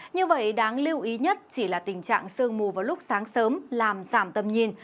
như vậy đáng lưu ý nhất chỉ là tình trạng sương mù vào lúc sáng sớm làm giảm tầm nhìn